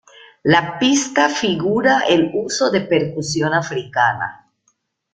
La pista figura el uso de percusión africana.